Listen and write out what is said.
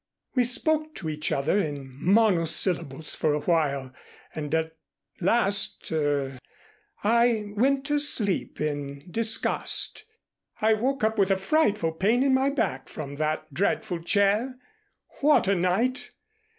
We spoke to each other in monosyllables for a while and at last er I went to sleep in disgust. I woke up with a frightful pain in my back from that dreadful chair. What a night!